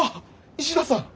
石田さん！